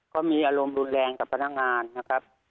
ก็มีอารมณ์รุนแรงกับพนักงานนะครับ